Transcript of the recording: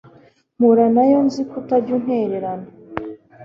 mpura nay o, nzi ko utajya untererana